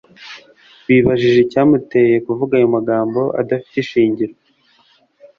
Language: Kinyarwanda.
bibajije icyamuteye kuvuga ayo magambo adafite ishingiro